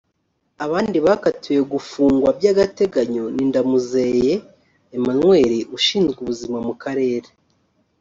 Abandi bakatiwe gufungwa by’agateganyo ni Ndamuzeye Emmanuel Ushinzwe ubuzima mu karere